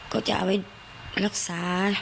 ก็จะเอาไว้รักษา